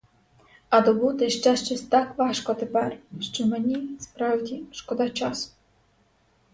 А добути ще щось так важко тепер, що мені, справді, шкода часу.